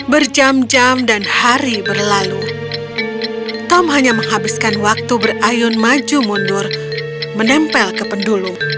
berjam jam dan hari berlalu tom hanya menghabiskan waktu berayun maju mundur menempel ke pendulu